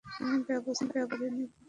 আমি ব্যবস্থা করে নেব।